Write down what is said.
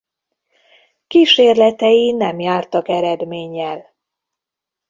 Kísérletei nem jártak eredménnyel.